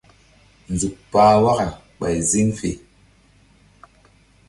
Nzuk pah waka ɓay ziŋ fe.